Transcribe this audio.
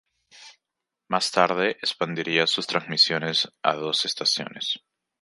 Más tarde, expandiría sus transmisiones a dos estaciones.